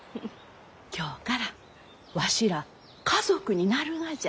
今日からわしらあ家族になるがじゃ。